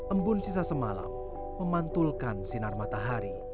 embun sisa semalam memantulkan sinar matahari